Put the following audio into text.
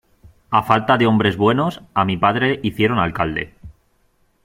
A falta de hombres buenos, a mi padre hicieron alcalde.